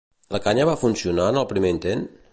La canya va funcionar en el primer intent?